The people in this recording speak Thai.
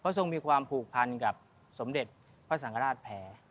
ทรงมีความผูกพันกับสมเด็จพระสังฆราชแพ้